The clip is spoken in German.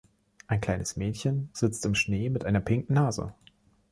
Ein kleines Mädchen sitzt im Schnee mit einer pinken Nase.